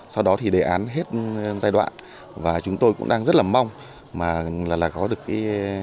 sau đó thì đề án hết giai đoạn và chúng tôi cũng đang rất là mong mà là có được cái